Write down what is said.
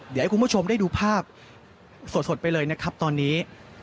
เดี๋ยวให้คุณผู้ชมได้ดูภาพสดไปเลยนะครับตอนนี้